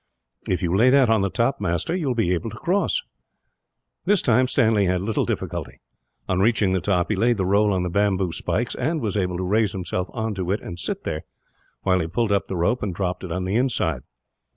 "If you lay that on the top, master, you will be able to cross." This time Stanley had little difficulty. On reaching the top, he laid the roll on the bamboo spikes; and was able to raise himself on to it and sit there, while he pulled up the rope and dropped it on the inside.